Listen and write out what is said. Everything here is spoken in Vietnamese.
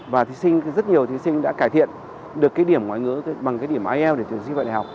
và rất nhiều thí sinh đã cải thiện được cái điểm ngoại ngữ bằng cái điểm ielts để tuyển sinh vào đại học